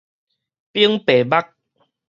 翻白眼